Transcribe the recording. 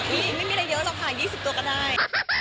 พี่ไม่มีมีอะไรเยอะเราก็ผ่าน๒๐ตัวก็ได้